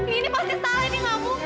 ini pasti salah ini gak mungkin